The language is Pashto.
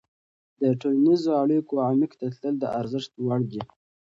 د ټولنیزو اړیکو عمیق ته تلل د ارزښت وړ دي.